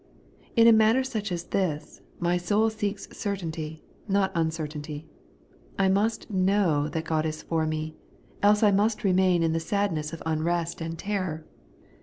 In a matter such as this, my soul seeks certainty, not uncertainty. I must know that God is for me, else I must remain in the sadness of unrest and terror.